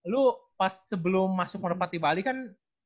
lu pas sebelum masuk merpati bali kan